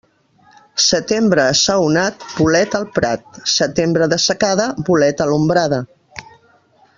Setembre assaonat, bolet al prat, Setembre de secada, bolet a l'ombrada.